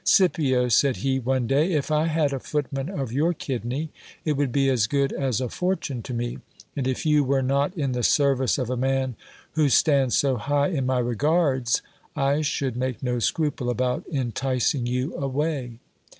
Scipio, said he, one day, if I had a footman of your kidney, it would be as good as a fortune to me, and if you were not in the service of a man who stands so high in my regards, I should make no scruple about enticing you away.